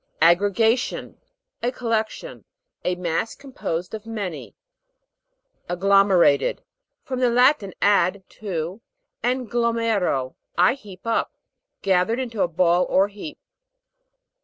AGGREGATION, A collection : a mass composed of many. AGGLOM'ERATKD. From the Latin, ad, to, and glomero, I heap up. Gathered into a ball or heap.